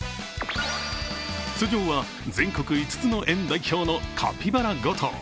出場は、全国５つの園代表のカピバラ５頭。